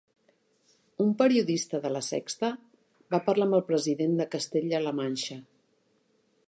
Un periodista de La Sexta va parlar amb el president de Castella-la Manxa.